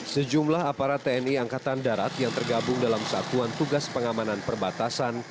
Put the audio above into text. sejumlah aparat tni angkatan darat yang tergabung dalam satuan tugas pengamanan perbatasan